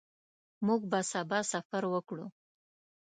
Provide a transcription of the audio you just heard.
موږ به سبا سفر وکړو.